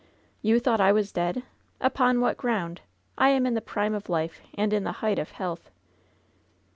"You thought I was dead ! Upon what ground ? I am in the prime of life, and in the height of health.''